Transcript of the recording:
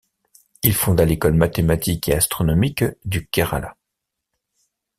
Il fonda l'école mathématique et astronomique du Kerala.